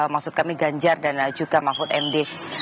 maksud kami ganjar dan juga mahfud md